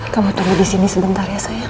kamu tunggu di sini sebentar ya saya